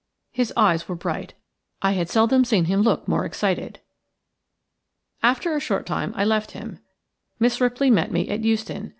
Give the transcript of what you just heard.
His eyes were bright. I had seldom seen him look more excited. After a short time I left him. Miss Ripley met me at Euston.